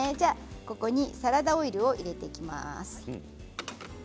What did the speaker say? ここにサラダオイルを入れていきます。